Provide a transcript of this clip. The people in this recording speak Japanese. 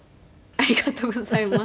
ありがとうございます。